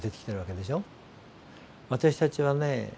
私たちはね